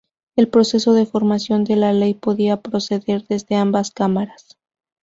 El proceso de formación de la ley podía proceder desde ambas cámaras.